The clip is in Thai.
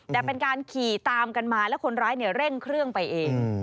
แต่เป็นการขี่ตามกันมาแล้วคนร้ายเร่งเครื่องไปเอง